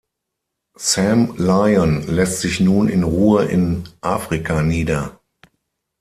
Sam Lion lässt sich nun in Ruhe in Afrika nieder.